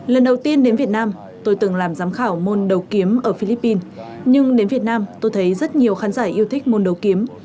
lần đầu tiên đến việt nam tôi từng làm giám khảo môn đầu kiếm ở philippines nhưng đến việt nam tôi thấy rất nhiều khán giả yêu thích môn đầu kiếm